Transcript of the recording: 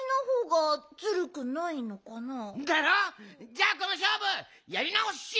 じゃあこのしょうぶやりなおし！